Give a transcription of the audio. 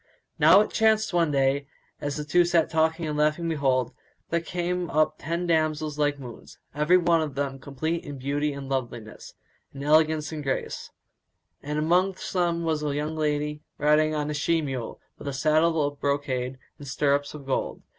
Now it chanced one day, as the two sat talking and laughing behold, there came up ten damsels like moons, every one of them complete in beauty and loveliness, and elegance and grace; and amongst them was a young lady riding on a she mule with a saddle of brocade and stirrups of gold.